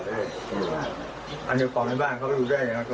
ถ้าเดี๋ยวบอกในบ้านเขาก็รู้ได้มันคืออีก๒ค่ะ